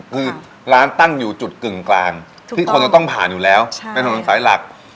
คือร้านตั้งอยู่จุดกึ่งกลางที่คนจะต้องผ่านอยู่แล้วเป็นถนนสายหลัก